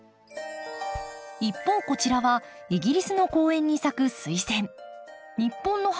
一方こちらはイギリスの公園に咲くスイセン。